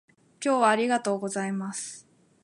今日はありがとうございます